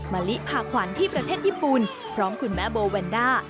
มะลิพาขวัญที่ประเทศญี่ปุ่นพร้อมคุณแม่โบแวนด้า